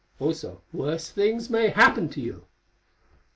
Also worse things may happen to you."